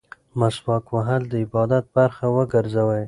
مسواک وهل د عبادت برخه وګرځوئ.